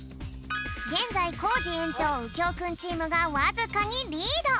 げんざいコージ園長うきょうくんチームがわずかにリード。